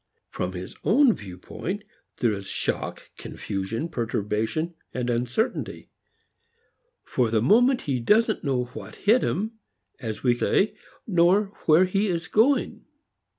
From his own standpoint, there is shock, confusion, perturbation, uncertainty. For the moment he doesn't know what hit him, as we say, nor where he is going.